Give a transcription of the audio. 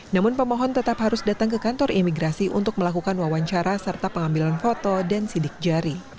namun pemohon tetap harus datang ke kantor imigrasi untuk melakukan wawancara serta pengambilan foto dan sidik jari